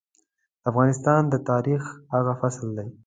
د افغانستان د تاريخ هغه فصل دی.